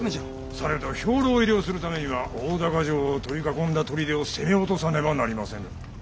されど兵糧入れをするためには大高城を取り囲んだ砦を攻め落とさねばなりませぬ。